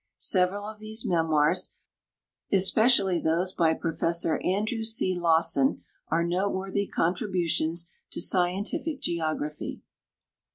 Several of these memoii's, especially those by Professor Andrew' C. Lawson, are note worthy contributions to scientific geography.